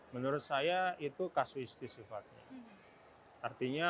menurut saya itu kasus isti sifatnya